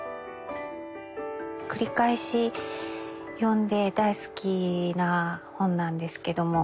繰り返し読んで大好きな本なんですけども。